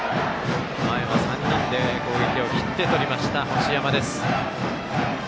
前は３人で攻撃を切ってとりました星山です。